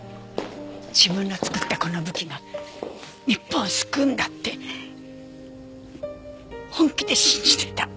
自分の作ったこの武器が日本を救うんだって本気で信じてた。